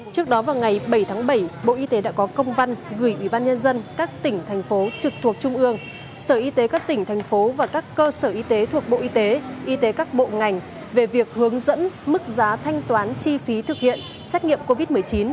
trước đó vào ngày bảy tháng bảy bộ y tế đã có công văn gửi ủy ban nhân dân các tỉnh thành phố trực thuộc trung ương sở y tế các tỉnh thành phố và các cơ sở y tế thuộc bộ y tế y tế các bộ ngành về việc hướng dẫn mức giá thanh toán chi phí thực hiện xét nghiệm covid một mươi chín